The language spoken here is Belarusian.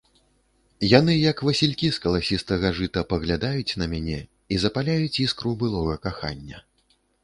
Яны, як васількі з каласістага жыта, паглядаюць на мяне і запаляюць іскру былога кахання.